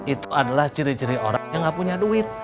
itu adalah ciri ciri orang yang gak punya duit